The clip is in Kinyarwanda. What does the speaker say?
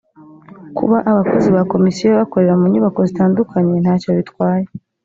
kuba abakozi ba komisiyo bakorera mu nyubako zitandukanye ntacyo bitwaye